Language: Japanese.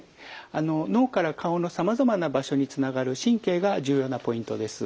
あの脳から顔のさまざまな場所につながる神経が重要なポイントです。